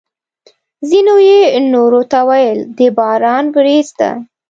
ځینو یې نورو ته ویل: د باران ورېځ ده!